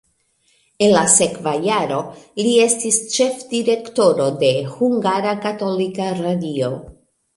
En la sekva jaro li estis ĉefdirektoro de Hungara Katolika Radio.